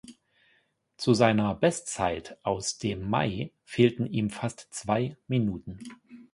Zu seiner Bestzeit aus dem Mai fehlten ihm fast zwei Minuten.